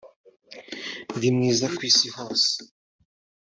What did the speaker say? ndi mwiza kwisi hose.